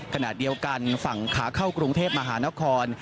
ขณะเดียวกันฝั่งขาเข้ากรุงเทพมหานคร